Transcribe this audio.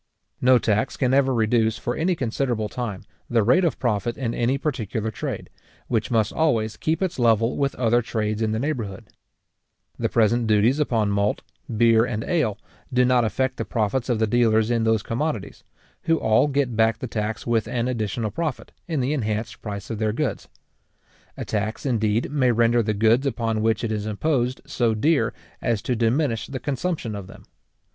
No tax can ever reduce, for any considerable time, the rate of profit in any particular trade, which must always keep its level with other trades in the neighbourhood. The present duties upon malt, beer, and ale, do not affect the profits of the dealers in those commodities, who all get back the tax with an additional profit, in the enhanced price of their goods. A tax, indeed, may render the goods upon which it is imposed so dear, as to diminish the consumption of them.